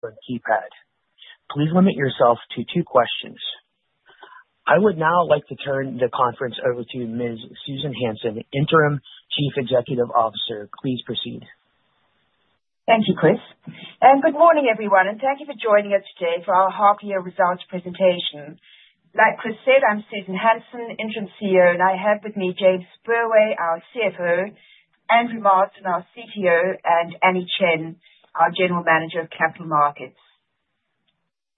For the keypad. Please limit yourself to two questions. I would now like to turn the conference over to Ms. Susan Hansen, Interim Chief Executive Officer. Please proceed. Thank you, Chris. Good morning, everyone, and thank you for joining us today for our half-year results presentation. Like Chris said, I'm Susan Hansen, Interim CEO, and I have with me James Spurway, our CFO, Andrew Marsden, our CTO, and Anny Chen, our General Manager of Capital Markets.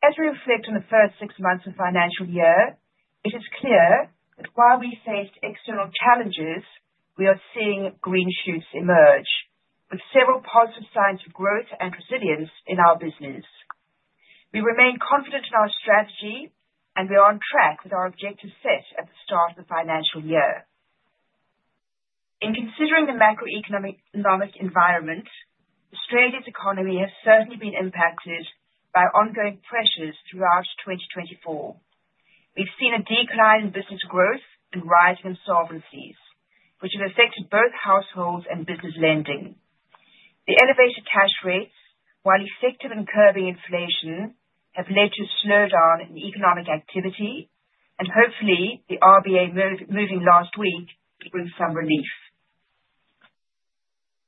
As we reflect on the first six months of the financial year, it is clear that while we faced external challenges, we are seeing green shoots emerge, with several positive signs of growth and resilience in our business. We remain confident in our strategy, and we are on track with our objectives set at the start of the financial year. In considering the macroeconomic environment, Australia's economy has certainly been impacted by ongoing pressures throughout 2024. We've seen a decline in business growth and rising insolvencies, which have affected both households and business lending. The elevated cash rates, while effective in curbing inflation, have led to a slowdown in economic activity, and hopefully, the RBA moving last week will bring some relief.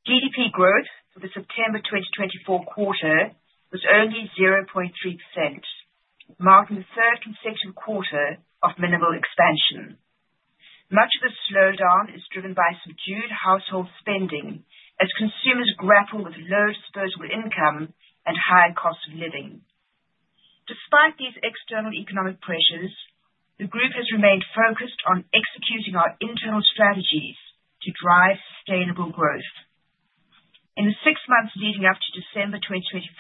GDP growth for the September 2024 quarter was only 0.3%, marking the third consecutive quarter of minimal expansion. Much of the slowdown is driven by subdued household spending, as consumers grapple with low disposable income and higher cost of living. Despite these external economic pressures, the Group has remained focused on executing our internal strategies to drive sustainable growth. In the six months leading up to December 2024,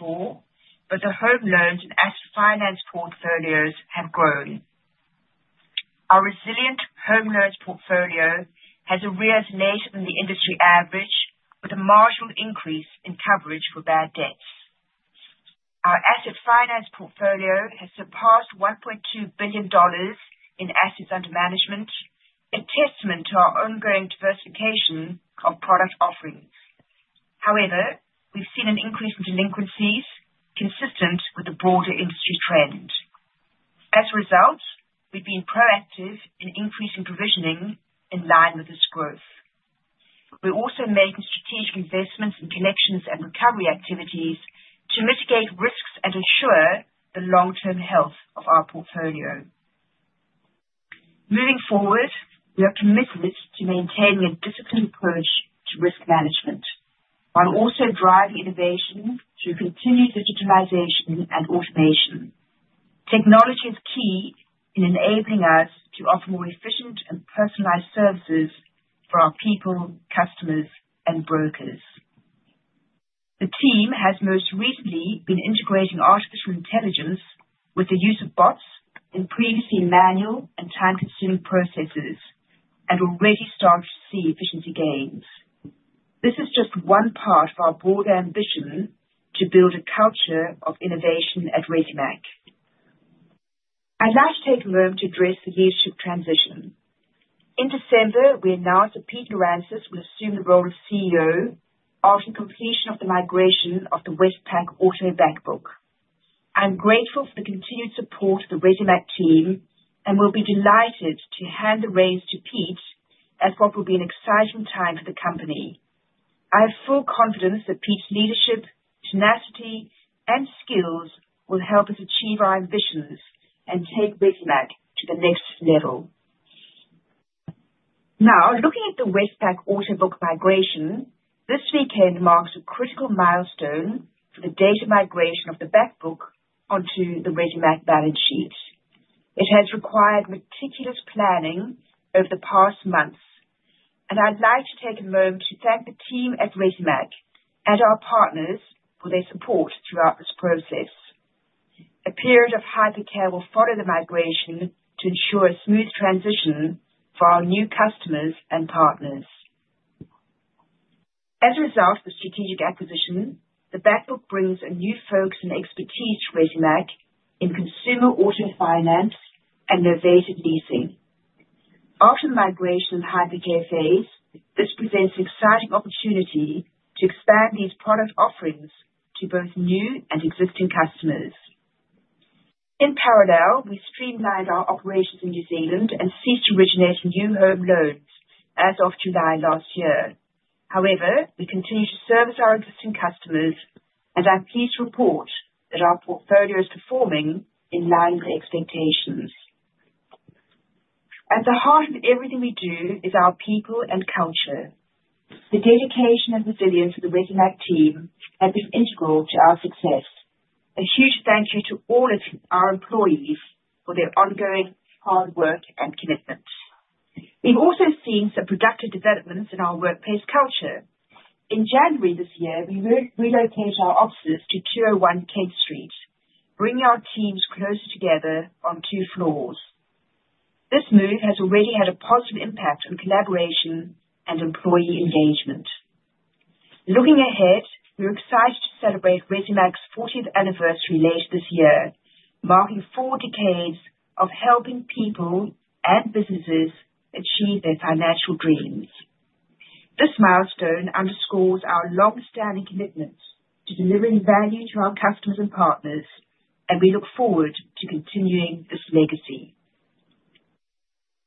both the home loans and asset finance portfolios have grown. Our resilient home loans portfolio has arisen later than the industry average, with a marginal increase in coverage for bad debts. Our asset finance portfolio has surpassed 1.2 billion dollars in assets under management, a testament to our ongoing diversification of product offerings. However, we've seen an increase in delinquencies, consistent with the broader industry trend. As a result, we've been proactive in increasing provisioning in line with this growth. We're also making strategic investments in collections and recovery activities to mitigate risks and ensure the long-term health of our portfolio. Moving forward, we are committed to maintaining a disciplined approach to risk management, while also driving innovation through continued digitalization and automation. Technology is key in enabling us to offer more efficient and personalized services for our people, customers, and brokers. The team has most recently been integrating artificial intelligence with the use of bots in previously manual and time-consuming processes, and already started to see efficiency gains. This is just one part of our broader ambition to build a culture of innovation at Resimac Group. I'd like to take a moment to address the leadership transition. In December, we announced that Pete Lirantzis will assume the role of CEO after completion of the migration of the Westpac auto bankbook. I'm grateful for the continued support of the ReadyMac team, and we'll be delighted to hand the reins to Pete, as what will be an exciting time for the company. I have full confidence that Pete's leadership, tenacity, and skills will help us achieve our ambitions and take ReadyMac to the next level. Now, looking at the Westpac auto book migration, this weekend marks a critical milestone for the data migration of the bankbook onto the ReadyMac balance sheet. It has required meticulous planning over the past months, and I'd like to take a moment to thank the team at ReadyMac and our partners for their support throughout this process. A period of hypercare will follow the migration to ensure a smooth transition for our new customers and partners. As a result of the strategic acquisition, the bankbook brings a new focus and expertise to Resimac Group in consumer auto finance and elevated leasing. After the migration and hypercare phase, this presents an exciting opportunity to expand these product offerings to both new and existing customers. In parallel, we streamlined our operations in New Zealand and ceased originating new home loans as of July last year. However, we continue to service our existing customers, and I'm pleased to report that our portfolio is performing in line with expectations. At the heart of everything we do is our people and culture. The dedication and resilience of the Resimac Group team have been integral to our success. A huge thank you to all of our employees for their ongoing hard work and commitment. We've also seen some productive developments in our workplace culture. In January this year, we relocated our offices to 201 Kent Street, bringing our teams closer together on two floors. This move has already had a positive impact on collaboration and employee engagement. Looking ahead, we're excited to celebrate Resimac Group's 40th anniversary later this year, marking four decades of helping people and businesses achieve their financial dreams. This milestone underscores our long-standing commitment to delivering value to our customers and partners, and we look forward to continuing this legacy.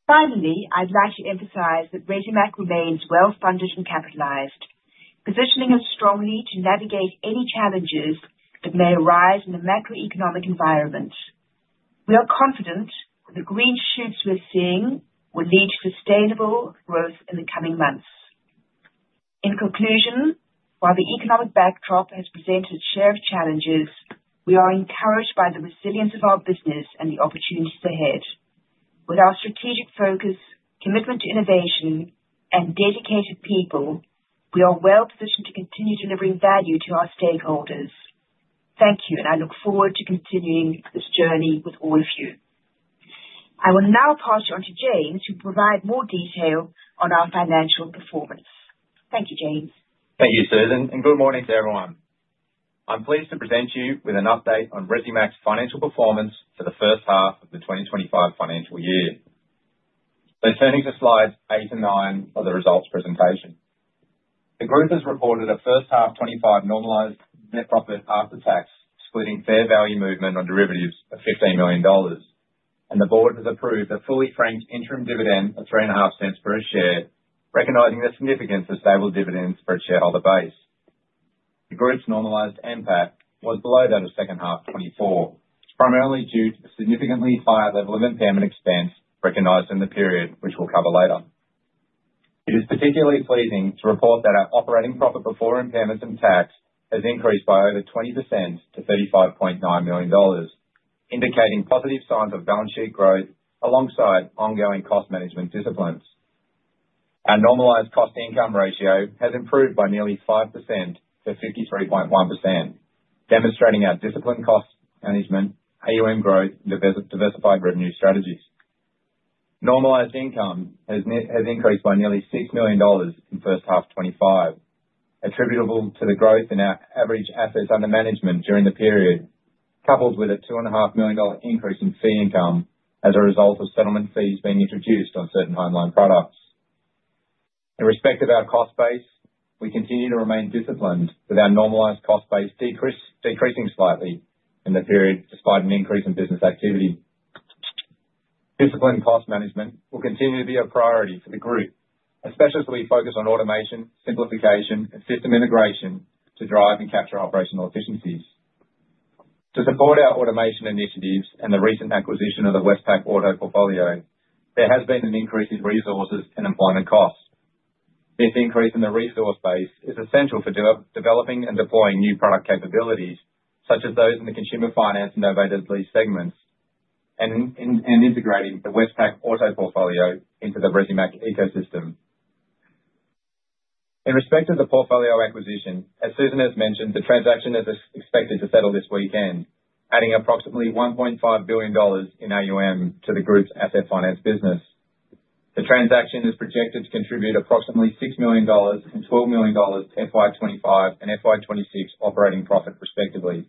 Finally, I'd like to emphasize that Resimac Group remains well-funded and capitalized, positioning us strongly to navigate any challenges that may arise in the macroeconomic environment. We are confident that the green shoots we're seeing will lead to sustainable growth in the coming months. In conclusion, while the economic backdrop has presented a share of challenges, we are encouraged by the resilience of our business and the opportunities ahead. With our strategic focus, commitment to innovation, and dedicated people, we are well-positioned to continue delivering value to our stakeholders. Thank you, and I look forward to continuing this journey with all of you. I will now pass you on to James to provide more detail on our financial performance. Thank you, James. Thank you, Susan, and good morning to everyone. I'm pleased to present you with an update on Resimac Group's financial performance for the first half of the 2025 financial year. Turning to slides eight and nine of the results presentation, the Group has reported a first half 2025 normalized net profit after tax, splitting fair value movement on derivatives of 15 million dollars, and the Board has approved a fully-franked interim dividend of 3.5 per share, recognizing the significance of stable dividends for its shareholder base. The Group's normalized NPAT was below that of the second half 2024, primarily due to the significantly higher level of impairment expense recognized in the period, which we'll cover later. It is particularly pleasing to report that our operating profit before impairments and tax has increased by over 20% to 35.9 million dollars, indicating positive signs of balance sheet growth alongside ongoing cost management disciplines. Our normalized cost-to-income ratio has improved by nearly 5% to 53.1%, demonstrating our disciplined cost management, AUM growth, and diversified revenue strategies. Normalized income has increased by nearly 6 million dollars in first half 2025, attributable to the growth in our average assets under management during the period, coupled with an 2.5 million dollar increase in fee income as a result of settlement fees being introduced on certain home loan products. In respect of our cost base, we continue to remain disciplined, with our normalized cost base decreasing slightly in the period despite an increase in business activity. Disciplined cost management will continue to be a priority for the Group, especially as we focus on automation, simplification, and system integration to drive and capture operational efficiencies. To support our automation initiatives and the recent acquisition of the Westpac auto portfolio, there has been an increase in resources and employment costs. This increase in the resource base is essential for developing and deploying new product capabilities, such as those in the consumer finance and elevated lease segments, and integrating the Westpac auto portfolio into the ReadyMac ecosystem. In respect of the portfolio acquisition, as Susan has mentioned, the transaction is expected to settle this weekend, adding approximately AUD 1.5 billion in AUM to the Group's asset finance business. The transaction is projected to contribute approximately 6 million-12 million dollars to FY 2025 and FY 2026 operating profit, respectively,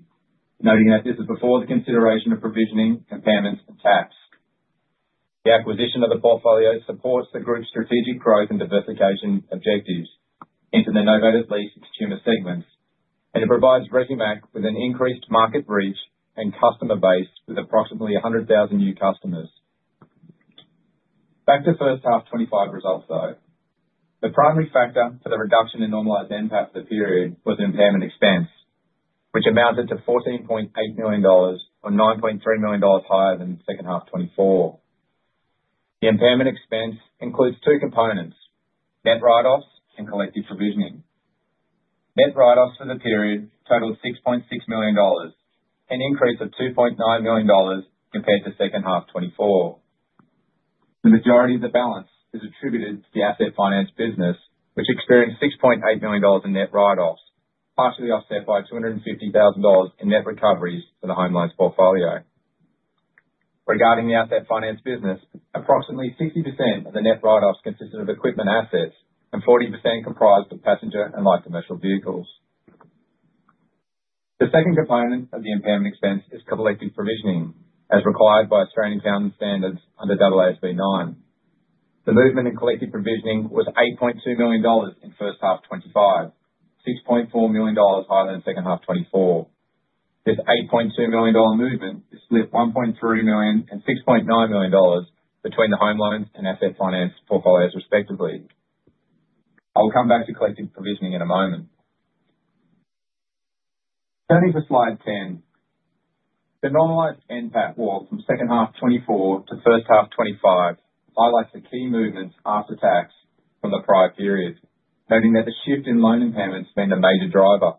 noting that this is before the consideration of provisioning, impairments, and tax. The acquisition of the portfolio supports the Group's strategic growth and diversification objectives into the elevated lease consumer segments, and it provides ReadyMac with an increased market reach and customer base with approximately 100,000 new customers. Back to first half 2025 results, though. The primary factor for the reduction in normalized NPAT for the period was impairment expense, which amounted to 14.8 million dollars, or 9.3 million dollars higher than second half 2024. The impairment expense includes two components: net write-offs and collective provisioning. Net write-offs for the period totaled 6.6 million dollars, an increase of 2.9 million dollars compared to second half 2024. The majority of the balance is attributed to the asset finance business, which experienced 6.8 million dollars in net write-offs, partially offset by 250,000 dollars in net recoveries for the home loans portfolio. Regarding the asset finance business, approximately 60% of the net write-offs consisted of equipment assets, and 40% comprised of passenger and light commercial vehicles. The second component of the impairment expense is collective provisioning, as required by Australian accounting standards under AASB 9. The movement in collective provisioning was 8.2 million dollars in first half 2025, 6.4 million dollars higher than second half 2024. This 8.2 million dollar movement is split 1.3 million and 6.9 million dollars between the home loans and asset finance portfolios, respectively. I'll come back to collected provisioning in a moment. Turning to slide 10, the normalized NPAT walk from second half 2024 to first half 2025 highlights the key movements after tax from the prior period, noting that the shift in loan impairments has been the major driver.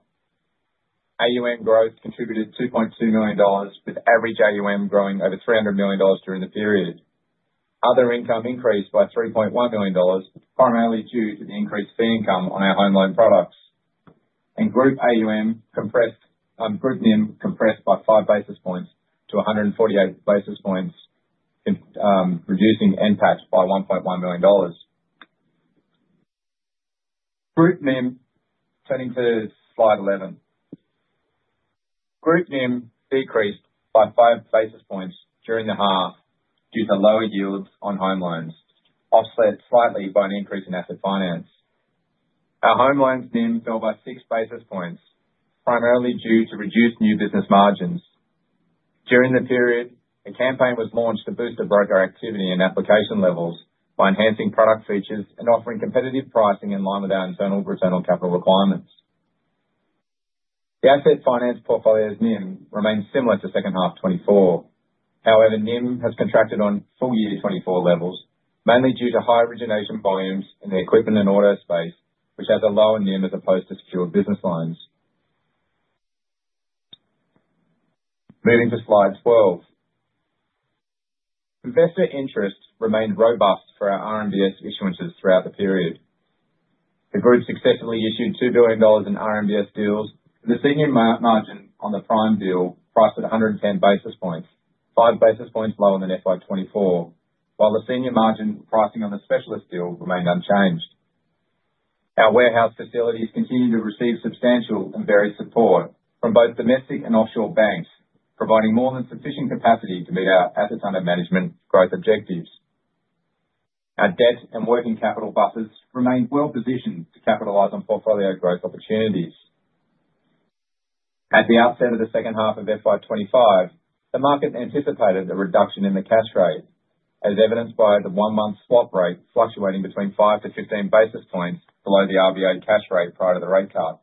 AUM growth contributed 2.2 million dollars, with average AUM growing over 300 million dollars during the period. Other income increased by 3.1 million dollars, primarily due to the increased fee income on our home loan products, and Group AUM compressed by five basis points to 148 basis points, reducing NPAT by 1.1 million dollars. Group NIM, turning to slide 11, Group NIM decreased by five basis points during the half due to lower yields on home loans, offset slightly by an increase in asset finance. Our home loans NIM fell by six basis points, primarily due to reduced new business margins. During the period, a campaign was launched to boost the broker activity and application levels by enhancing product features and offering competitive pricing in line with our internal return on capital requirements. The asset finance portfolio's NIM remains similar to second half 2024. However, NIM has contracted on full year 2024 levels, mainly due to high origination volumes in the equipment and auto space, which has a lower NIM as opposed to secured business loans. Moving to slide 12, investor interest remained robust for our RMBS issuance throughout the period. The Group successfully issued 2 billion dollars in RMBS deals, and the senior margin on the prime deal priced at 110 basis points, five basis points lower than 2024, while the senior margin pricing on the specialist deal remained unchanged. Our warehouse facilities continue to receive substantial and varied support from both domestic and offshore banks, providing more than sufficient capacity to meet our asset under management growth objectives. Our debt and working capital buffers remain well-positioned to capitalize on portfolio growth opportunities. At the outset of the second half of FY 2025, the market anticipated a reduction in the cash rate, as evidenced by the one-month swap rate fluctuating between 5-15 basis points below the RBA cash rate prior to the rate cut.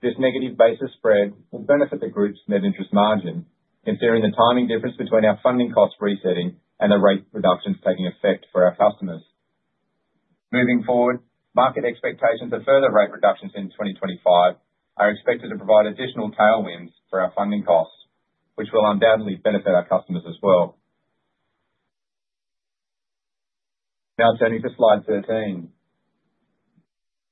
This negative basis spread will benefit the Group's net interest margin, considering the timing difference between our funding costs resetting and the rate reductions taking effect for our customers. Moving forward, market expectations of further rate reductions in 2025 are expected to provide additional tailwinds for our funding costs, which will undoubtedly benefit our customers as well. Now, turning to slide 13,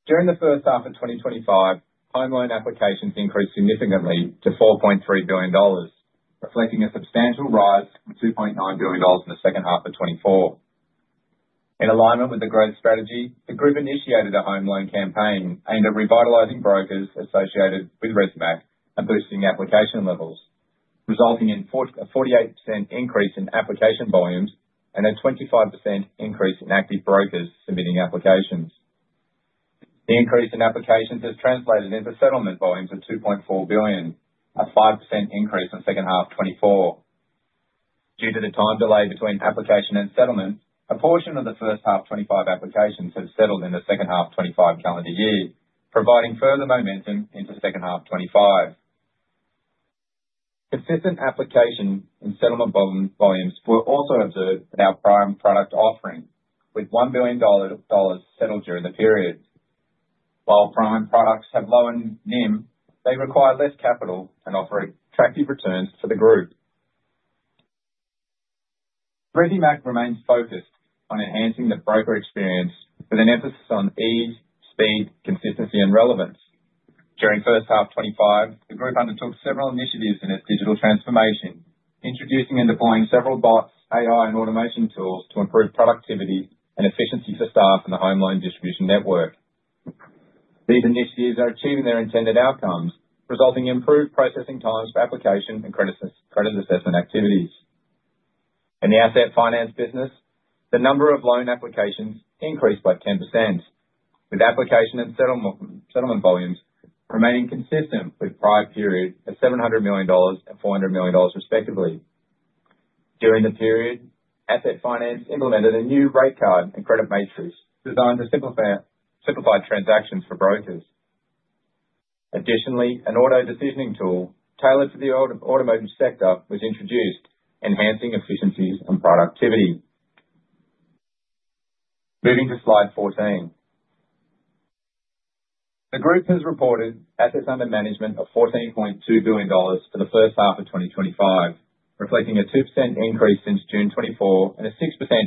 during the first half of 2025, home loan applications increased significantly to 4.3 billion dollars, reflecting a substantial rise from 2.9 billion dollars in the second half of 2024. In alignment with the growth strategy, the Group initiated a home loan campaign aimed at revitalizing brokers associated with Resimac Group and boosting application levels, resulting in a 48% increase in application volumes and a 25% increase in active brokers submitting applications. The increase in applications has translated into settlement volumes of 2.4 billion, a 5% increase in second half 2024. Due to the time delay between application and settlement, a portion of the first half 2025 applications have settled in the second half 2025 calendar year, providing further momentum into second half 2025. Consistent application and settlement volumes were also observed in our prime product offering, with 1 billion dollars settled during the period. While prime products have lower NIM, they require less capital and offer attractive returns for the Group. ReadyMac remains focused on enhancing the broker experience with an emphasis on ease, speed, consistency, and relevance. During first half 2025, the Group undertook several initiatives in its digital transformation, introducing and deploying several bots, AI, and automation tools to improve productivity and efficiency for staff in the home loan distribution network. These initiatives are achieving their intended outcomes, resulting in improved processing times for application and credit assessment activities. In the asset finance business, the number of loan applications increased by 10%, with application and settlement volumes remaining consistent with prior period of 700 million dollars and 400 million dollars, respectively. During the period, asset finance implemented a new rate card and credit matrix designed to simplify transactions for brokers. Additionally, an auto decisioning tool tailored to the automotive sector was introduced, enhancing efficiencies and productivity. Moving to slide 14, the Group has reported assets under management of 14.2 billion dollars for the first half of 2025, reflecting a 2% increase since June 2024 and a 6%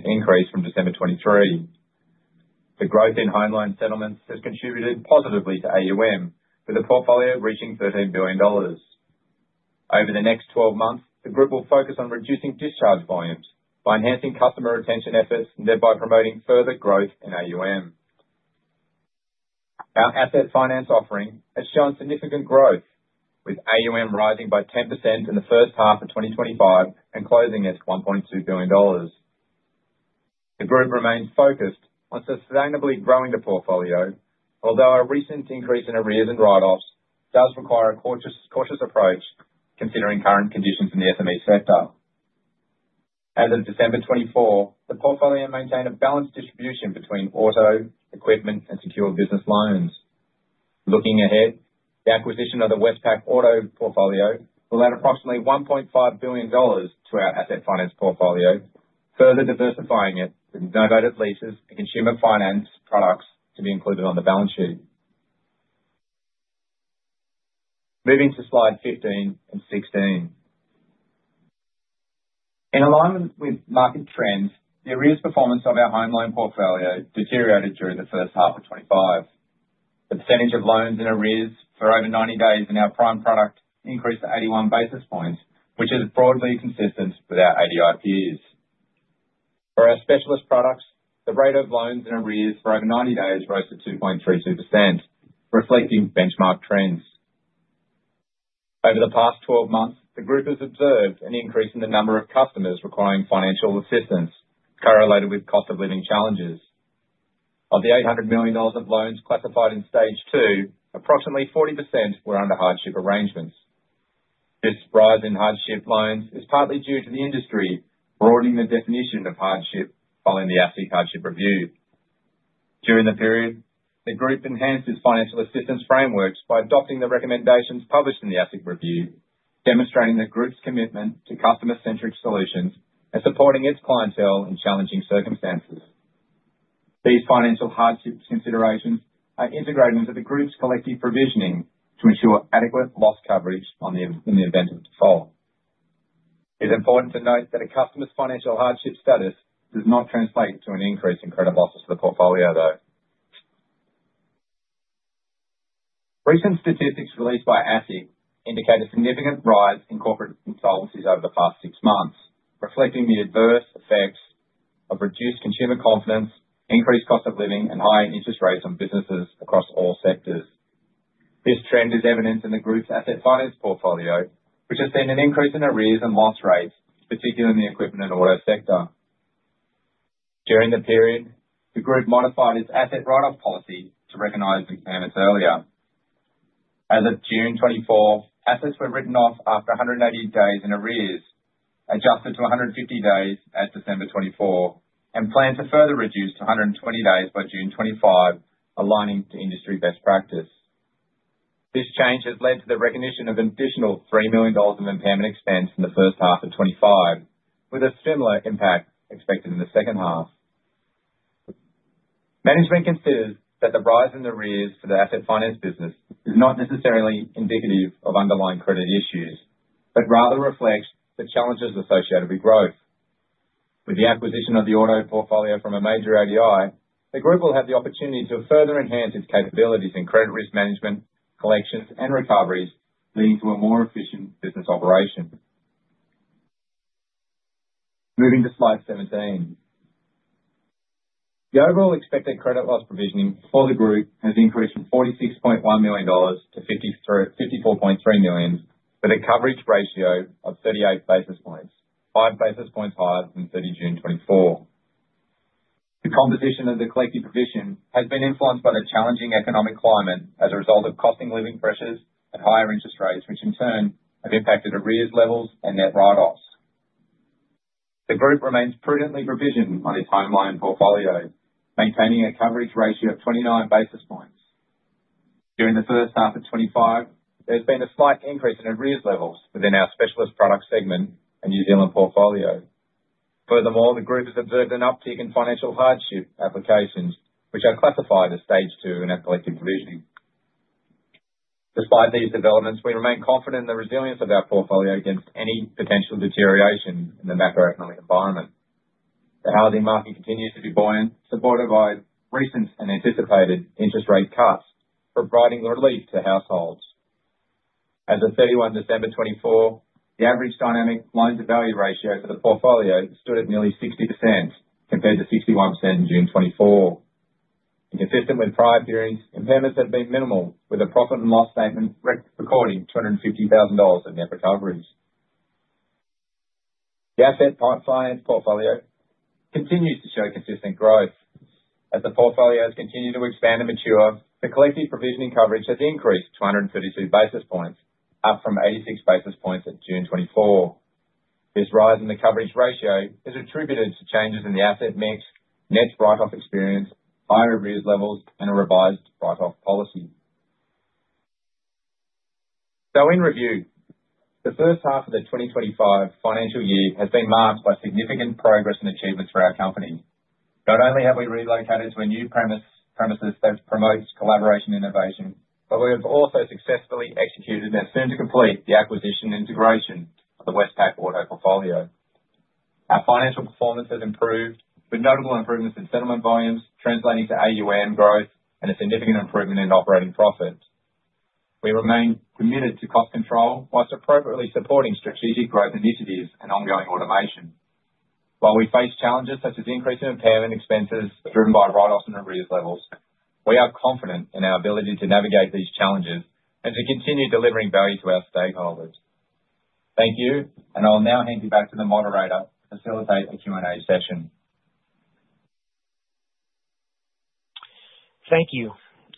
increase from December 2023. The growth in home loan settlements has contributed positively to AUM, with the portfolio reaching AUD 13 billion. Over the next 12 months, the Group will focus on reducing discharge volumes by enhancing customer retention efforts and thereby promoting further growth in AUM. Our asset finance offering has shown significant growth, with AUM rising by 10% in the first half of 2025 and closing at 1.2 billion dollars. The Group remains focused on sustainably growing the portfolio, although a recent increase in arrears and write-offs does require a cautious approach, considering current conditions in the SME sector. As of December 2024, the portfolio maintained a balanced distribution between auto, equipment, and secured business loans. Looking ahead, the acquisition of the Westpac auto portfolio will add approximately 1.5 billion dollars to our asset finance portfolio, further diversifying it with innovative leases and consumer finance products to be included on the balance sheet. Moving to slide 15 and 16, in alignment with market trends, the arrears performance of our home loan portfolio deteriorated during the first half of 2025. The percentage of loans in arrears for over 90 days in our prime product increased to 81 basis points, which is broadly consistent with our ADIs. For our specialist products, the rate of loans in arrears for over 90 days rose to 2.32%, reflecting benchmark trends. Over the past 12 months, the Group has observed an increase in the number of customers requiring financial assistance, correlated with cost-of-living challenges. Of the 800 million dollars of loans classified in stage two, approximately 40% were under hardship arrangements. This rise in hardship loans is partly due to the industry broadening the definition of hardship following the ASIC hardship review. During the period, the Group enhanced its financial assistance frameworks by adopting the recommendations published in the ASIC review, demonstrating the Group's commitment to customer-centric solutions and supporting its clientele in challenging circumstances. These financial hardship considerations are integrated into the Group's collective provisioning to ensure adequate loss coverage in the event of default. It's important to note that a customer's financial hardship status does not translate to an increase in credit losses for the portfolio, though. Recent statistics released by ASIC indicate a significant rise in corporate insolvencies over the past six months, reflecting the adverse effects of reduced consumer confidence, increased cost of living, and higher interest rates on businesses across all sectors. This trend is evident in the Group's asset finance portfolio, which has seen an increase in arrears and loss rates, particularly in the equipment and auto sector. During the period, the Group modified its asset write-off policy to recognize impairments earlier. As of June 2024, assets were written off after 180 days in arrears, adjusted to 150 days at December 2024, and planned to further reduce to 120 days by June 2025, aligning to industry best practice. This change has led to the recognition of an additional 3 million dollars of impairment expense in the first half of 2025, with a similar impact expected in the second half. Management considers that the rise in arrears for the asset finance business is not necessarily indicative of underlying credit issues, but rather reflects the challenges associated with growth. With the acquisition of the auto portfolio from a major ADI, the Group will have the opportunity to further enhance its capabilities in credit risk management, collections, and recoveries, leading to a more efficient business operation. Moving to slide 17, the overall expected credit loss provisioning for the Group has increased from 46.1 million dollars to 54.3 million, with a coverage ratio of 38 basis points, five basis points higher than 30 June 2024. The composition of the collective provision has been influenced by the challenging economic climate as a result of cost of living pressures and higher interest rates, which in turn have impacted arrears levels and net write-offs. The Group remains prudently provisioned on its home loan portfolio, maintaining a coverage ratio of 29 basis points. During the first half of 2025, there's been a slight increase in arrears levels within our specialist product segment and New Zealand portfolio. Furthermore, the Group has observed an uptick in financial hardship applications, which are classified as stage two in our collective provision. Despite these developments, we remain confident in the resilience of our portfolio against any potential deterioration in the macroeconomic environment. The housing market continues to be buoyant, supported by recent and anticipated interest rate cuts, providing relief to households. As of 31 December 2024, the average dynamic loan-to-value ratio for the portfolio stood at nearly 60% compared to 61% in June 2024. Consistent with prior periods, impairments have been minimal, with a profit and loss statement recording 250,000 dollars of net recoveries. The asset finance portfolio continues to show consistent growth. As the portfolios continue to expand and mature, the collected provisioning coverage has increased to 132 basis points, up from 86 basis points in June 2024. This rise in the coverage ratio is attributed to changes in the asset mix, net write-off experience, higher arrears levels, and a revised write-off policy. In review, the first half of the 2025 financial year has been marked by significant progress and achievements for our company. Not only have we relocated to a new premise that promotes collaboration and innovation, but we have also successfully executed and are soon to complete the acquisition integration of the Westpac auto portfolio. Our financial performance has improved, with notable improvements in settlement volumes translating to AUM growth and a significant improvement in operating profits. We remain committed to cost control whilst appropriately supporting strategic growth initiatives and ongoing automation. While we face challenges such as increasing impairment expenses driven by write-offs and arrears levels, we are confident in our ability to navigate these challenges and to continue delivering value to our stakeholders. Thank you, and I'll now hand you back to the moderator to facilitate a Q&A session. Thank you.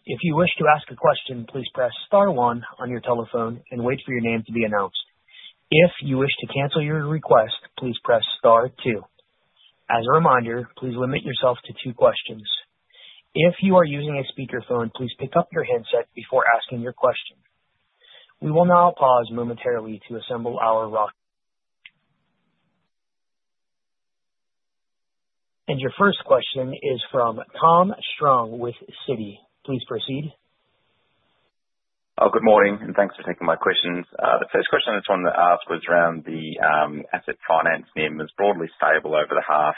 If you wish to ask a question, please press star one on your telephone and wait for your name to be announced. If you wish to cancel your request, please press star two. As a reminder, please limit yourself to two questions. If you are using a speakerphone, please pick up your headset before asking your question. We will now pause momentarily to assemble our [line]. And your first question is from Tom Strong with Citi. Please proceed. Good morning, and thanks for taking my questions. The first question I just wanted to ask was around the asset finance NIM as broadly stable over the half,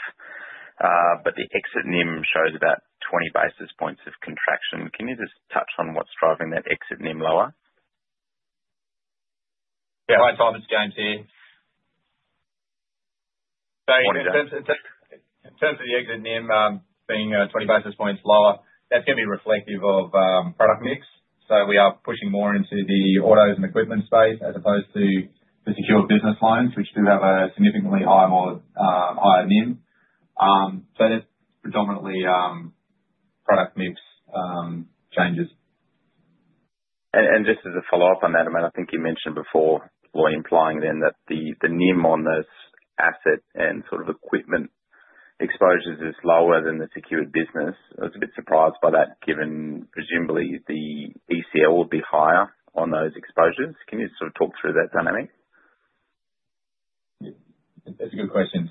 but the exit NIM shows about 20 basis points of contraction. Can you just touch on what's driving that exit NIM lower? Yeah, hi, Simon James. In terms of the exit NIM being 20 basis points lower, that's going to be reflective of product mix. We are pushing more into the autos and equipment space as opposed to the secured business loans, which do have a significantly higher NIM. That is predominantly product mix changes. Just as a follow-up on that, I mean, I think you mentioned before, implying then that the NIM on those asset and sort of equipment exposures is lower than the secured business. I was a bit surprised by that, given presumably the ECL would be higher on those exposures. Can you sort of talk through that dynamic? That's a good question.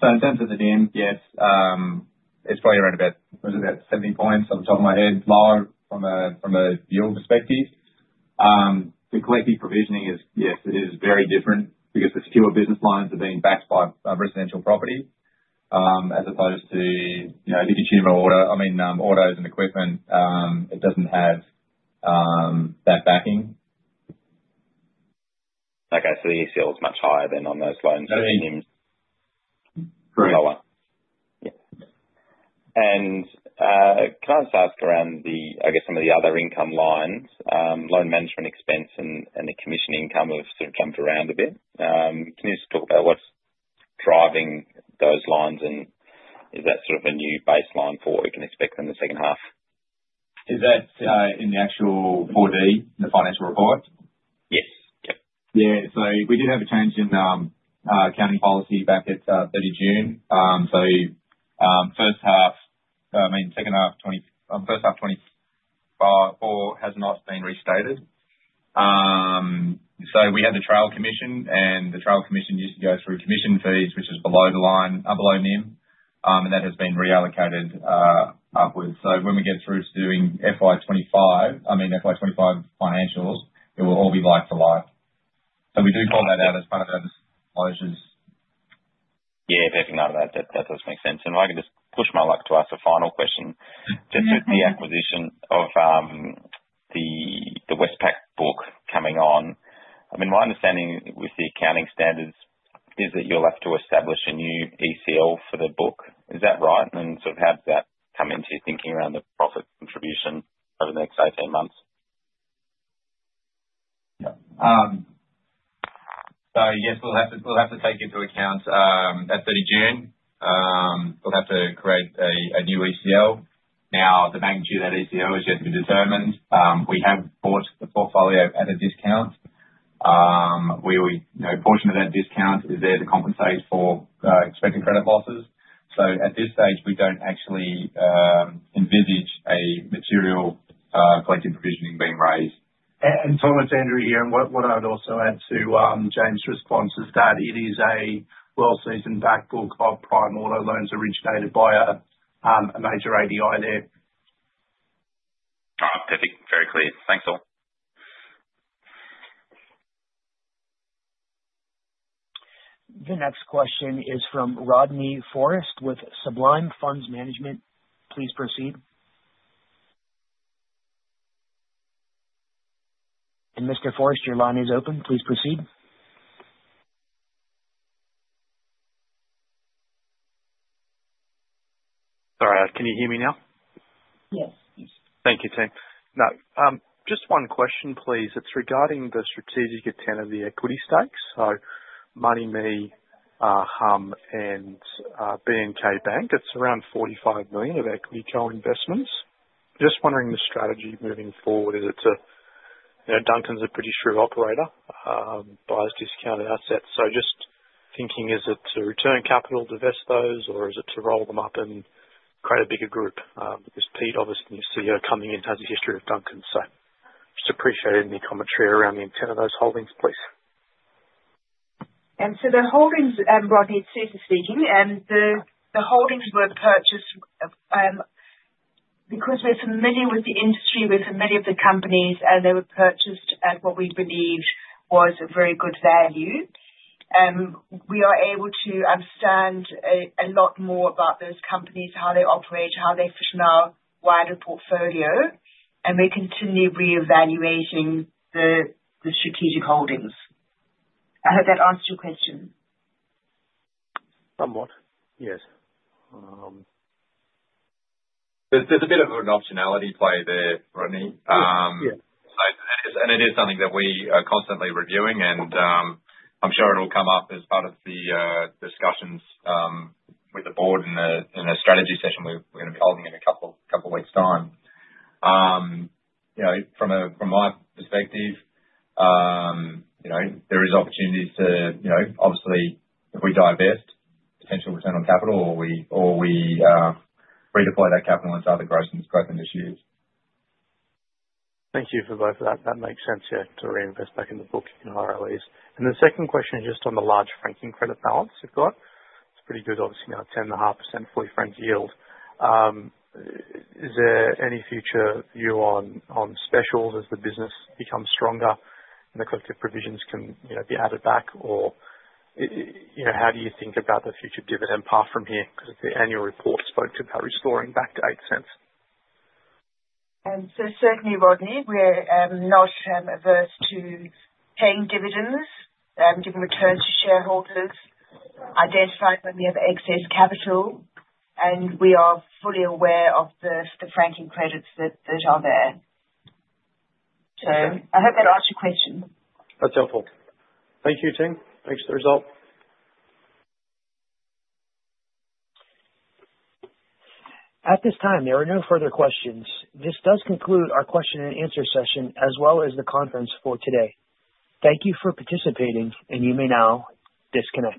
In terms of the NIM, yes, it's probably around about 70 basis points off the top of my head, lower from a yield perspective. The collected provisioning is, yes, very different because the secured business loans are being backed by residential property as opposed to the consumer auto. I mean, autos and equipment, it doesn't have that backing. Okay, so the ECL is much higher than on those loans. Correct. Can I just ask around the, I guess, some of the other income lines, loan management expense and the commission income have sort of jumped around a bit. Can you just talk about what's driving those lines, and is that sort of a new baseline for what we can expect in the second half? Is that in the actual 4D? Yes. Yeah. Yeah, we did have a change in accounting policy back at 30 June. First half, I mean, second half, first half 2024 has not been restated. We had the trail commission, and the trail commission used to go through commission fees, which is below the line, below NIM, and that has been reallocated upwards. When we get through to doing FY 2025, I mean, FY 2025 financials, it will all be like to like. We do call that out as part of those disclosures. Yeah, definitely know that. That does make sense. If I can just push my luck to ask a final question, just with the acquisition of the Westpac book coming on, I mean, my understanding with the accounting standards is that you're left to establish a new ECL for the book. Is that right? How does that come into your thinking around the profit contribution over the next 18 months? Yes, we'll have to take into account at 30 June. We'll have to create a new ECL. Now, the magnitude of that ECL is yet to be determined. We have bought the portfolio at a discount. We know a portion of that discount is there to compensate for expected credit losses. At this stage, we don't actually envisage a material collective provisioning being raised. Thomas Andrew here, and what I would also add to James' response is that it is a well-seasoned backbook of prime auto loans originated by a major ADI there. Perfect. Very clear. Thanks all. The next question is from Rodney Forrest with Sublime Funds Management. Please proceed. Mr. Forrest, your line is open. Please proceed. Sorry, can you hear me now? Yes. Thank you, Tim. Just one question, please. It's regarding the strategic return of the equity stakes. MONEYME, HUM, and BNK Bank, it's around 45 million of equity co-investments. Just wondering the strategy moving forward. Duncan's a pretty shrewd operator, buys discounted assets. Just thinking, is it to return capital, divest those, or is it to roll them up and create a bigger group? Pete, obviously, you see her coming in, has a history of Duncan. Just appreciating the commentary around the intent of those holdings, please. The holdings, Rodney, Susan speaking, and the holdings were purchased because we're familiar with the industry, we're familiar with the companies, and they were purchased at what we believed was a very good value. We are able to understand a lot more about those companies, how they operate, how they fit in our wider portfolio, and we're continually reevaluating the strategic holdings. I hope that answers your question. Somewhat, yes. There's a bit of an optionality play there, Rodney. It is something that we are constantly reviewing, and I'm sure it'll come up as part of the discussions with the board in a strategy session we're going to be holding in a couple of weeks' time. From my perspective, there is opportunity to, obviously, if we divest, potential return on capital, or we redeploy that capital into other growth initiatives. Thank you for both of that. That makes sense, yeah, to reinvest back in the book in higher ROEs. The second question is just on the large franking credit balance you've got. It's pretty good, obviously, now, 10.5% fully franked yield. Is there any future view on specials as the business becomes stronger and the collected provisions can be added back, or how do you think about the future dividend path from here? Because the annual report spoke to about restoring back to 0.08. Certainly, Rodney, we're not averse to paying dividends, giving returns to shareholders, identifying when we have excess capital, and we are fully aware of the franking credits that are there. I hope that answers your question. That's helpful. Thank you, Susan. Thanks for the result. At this time, there are no further questions. This does conclude our question-and-answer session, as well as the conference for today. Thank you for participating, and you may now disconnect.